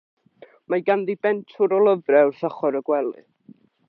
Mae ganddi bentwr o lyfre wrth ochr y gwely.